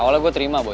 awalnya gua terima boy